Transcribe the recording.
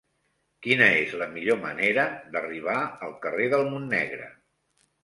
Quina és la millor manera d'arribar al carrer del Montnegre?